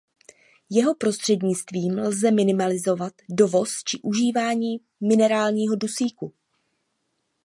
Jeho prostřednictvím lze minimalizovat dovoz či užívání minerálního dusíku.